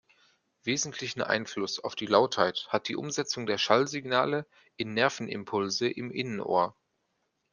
Wesentlichen Einfluss auf die Lautheit hat die Umsetzung der Schallsignale in Nervenimpulse im Innenohr.